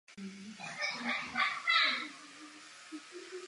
Sám se dále podílí na formování vizí a záměrů dalšího rozvoje.